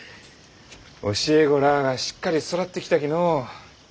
教え子らあがしっかり育ってきたきのう。